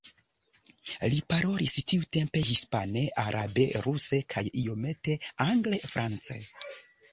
Li parolis tiutempe hispane, arabe, ruse kaj iomete angle, france.